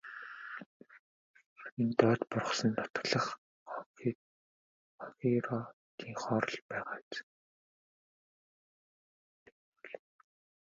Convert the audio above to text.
Энэ доод бургасанд нутаглах хонхироодынхоор л байгаа биз.